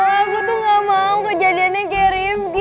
aku tuh gak mau kejadiannya kayak arim